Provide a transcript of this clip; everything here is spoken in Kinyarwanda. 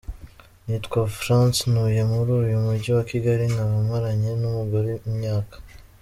Nitwa Franz ntuye muri uyu mugi wa Kigali nkaba maranye n’umugore imyaka.